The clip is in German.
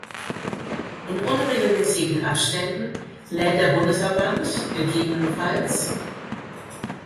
In unregelmäßigen Abständen lädt der Bundesverband, ggf.